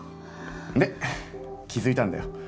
で気づいたんだよ。